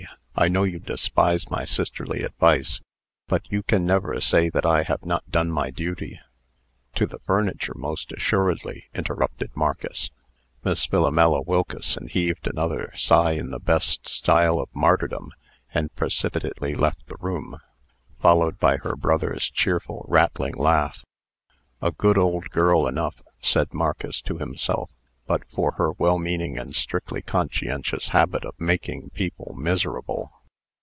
I know you despise my sisterly advice. But you can never say that I have not done my duty " "To the furniture, most assuredly," interrupted Marcus. Miss Philomela Wilkeson heaved another sigh in the best style of martyrdom, and precipitately left the room, followed by her brother's cheerful, rattling laugh. "A good old girl enough," said Marcus to himself, "but for her well meaning and strictly conscientious habit of making people miserable."